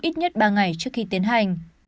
ít nhất ba ngày trước khi tiến hành